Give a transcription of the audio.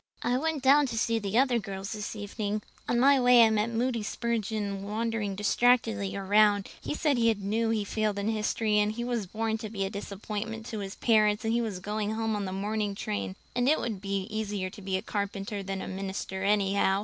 "I went down to see the other girls this evening. On my way I met Moody Spurgeon wandering distractedly around. He said he knew he had failed in history and he was born to be a disappointment to his parents and he was going home on the morning train; and it would be easier to be a carpenter than a minister, anyhow.